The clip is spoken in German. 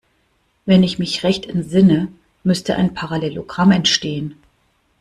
Wenn ich mich recht entsinne, müsste ein Parallelogramm entstehen.